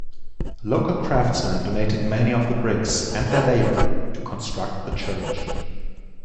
Local craftsmen donated many of the bricks and their labor to construct the church.